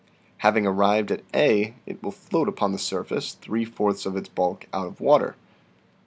Having arrived at A, it will float upon the surface three fourths of its bulk out of water.